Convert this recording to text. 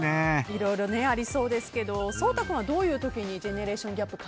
いろいろありそうですが颯太君はどういう時にジェネレーションギャップ